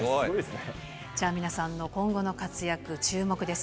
ちゃんみなさんの今後の活躍、注目です。